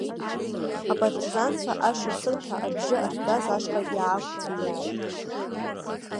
Апартизанцәа ашыр-сырҳәа абжьы ахьгаз ашҟа иаақәҵәиааит.